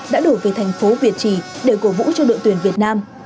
đã đổ về thành phố việt trì để cổ vũ cho đội tuyển việt nam